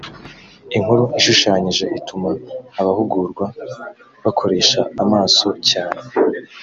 inkuru ishushanyije ituma abahugurwa bakoresha amaso cyane